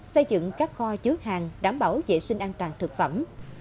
xây dựng các kho chứa hàng đảm bảo vệ sinh an toàn thực phẩm